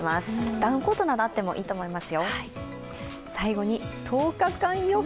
ダウンコートなどあってもいいと思います。